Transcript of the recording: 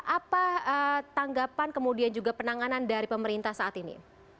apa tanggapan kemudian juga penanganan dari pemerintah saat ini